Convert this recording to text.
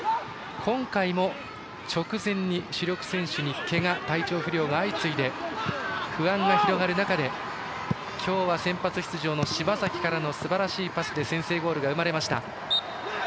今回も直前に主力選手に、けが体調不良が相次いで不安が広がる中で今日は先発出場の柴崎からすばらしいパスで先制ゴールが生まれました。